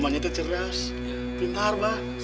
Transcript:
namanya tecerias pintar bang